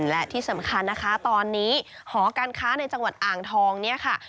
และที่สำคัญนะคะตอนนี้หอการค้าในจังหวัดอ่างทองเนี่ยค่ะ